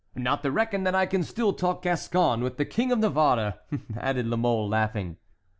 "Not to reckon that I can still talk Gascon with the King of Navarre!" added La Mole, laughing.